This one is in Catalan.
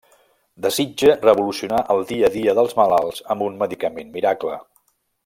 Desitja revolucionar el dia a dia dels malalts amb un medicament miracle.